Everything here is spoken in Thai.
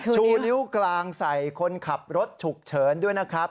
ชูนิ้วกลางใส่คนขับรถฉุกเฉินด้วยนะครับ